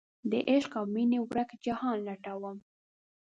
دعشق اومینې ورک جهان لټوم